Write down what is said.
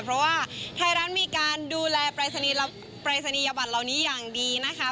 เพราะว่าไทยรัฐมีการดูแลปรายศนียบัตรเหล่านี้อย่างดีนะคะ